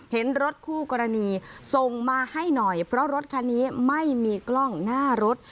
เห็นรถคู่กรณีส่งมาให้หน่อยเพราะรถคันนี้ไม่มีกล้องหน้ารถ